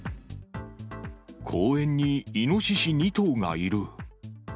公園にイノシシ２頭がいる。